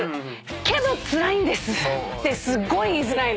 けどつらいんですってすっごい言いづらいの。